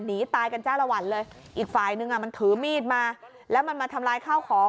อีกฝ่ายหนึ่งมันถือมีดมาแล้วมันมาทำร้ายข้าวของ